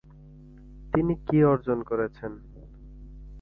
তিনি কি অর্জন করেছেন।